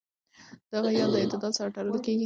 د هغه ياد د اعتدال سره تړل کېږي.